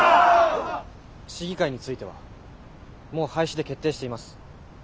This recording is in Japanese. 市議会についてはもう廃止で決定しています。